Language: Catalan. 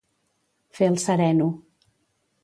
Fer el sereno.